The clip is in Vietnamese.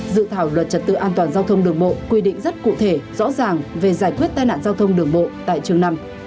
dự thảo luật trật tự an toàn giao thông đường bộ quy định rất cụ thể rõ ràng về giải quyết tai nạn giao thông đường bộ tại trường năm